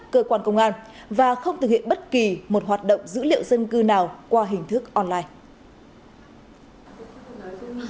cơ quan công an và không thực hiện bất kỳ một hoạt động dữ liệu dân cư nào qua hình thức online